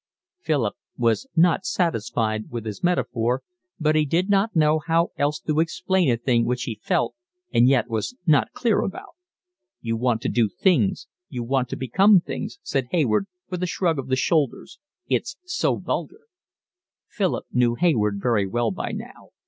Philip was not satisfied with his metaphor, but he did not know how else to explain a thing which he felt and yet was not clear about. "You want to do things, you want to become things," said Hayward, with a shrug of the shoulders. "It's so vulgar." Philip knew Hayward very well by now.